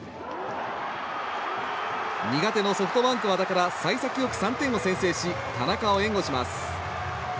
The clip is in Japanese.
苦手のソフトバンク、和田から幸先よく３点を先制し田中を援護します。